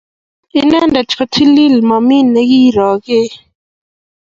Inendet ko TiIiI - mami ne kiroge.